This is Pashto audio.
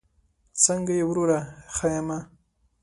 څنګه یې وروره؟ ښه یمه